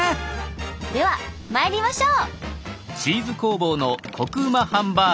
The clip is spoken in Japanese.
では参りましょう！